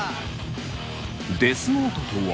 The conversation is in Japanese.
デスノートとは？